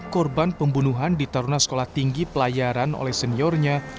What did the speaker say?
korban pembunuhan di taruna sekolah tinggi pelayaran oleh seniornya